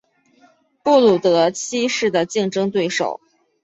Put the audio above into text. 布鲁德七世的竞争对手。